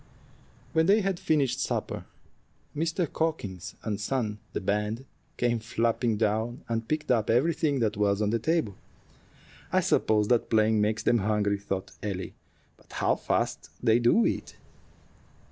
When they had finished supper, Mr. Cawkins and son the band came flapping down and picked up everything that was on the table. "I suppose that playing makes them hungry," thought Ellie; "but how fast they do eat!"